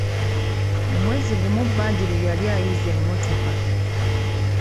Mu mwezi gumu Badru yali ayize emmotoka.